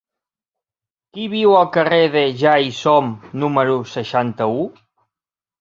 Qui viu al carrer de Ja-hi-som número seixanta-u?